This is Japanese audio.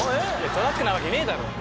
トラックなわけねぇだろ。